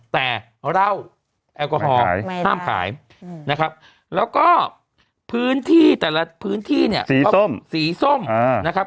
แต่เราแอลกอฮอล์แห้มขายแล้วก็ที่สีส้มนะครับ